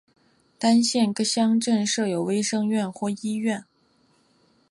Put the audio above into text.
单县各乡镇设有卫生院或医院。